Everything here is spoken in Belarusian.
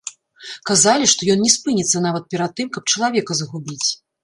Казалі, што ён не спыніцца нават перад тым, каб чалавека загубіць.